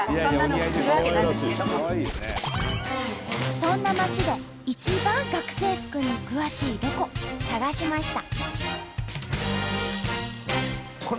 そんな町で一番学生服に詳しいロコ探しました。